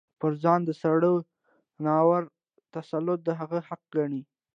پر ځان د سړي ناروا تسلط د هغه حق ګڼي.